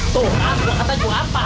tuh aku katanya gua apa